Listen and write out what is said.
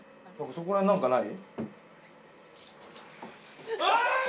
そこら辺なんかない？